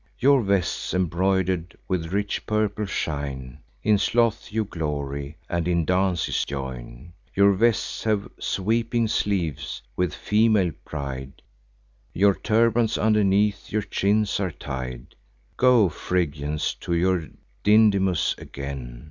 Your vests embroider'd with rich purple shine; In sloth you glory, and in dances join. Your vests have sweeping sleeves; with female pride Your turbans underneath your chins are tied. Go, Phrygians, to your Dindymus again!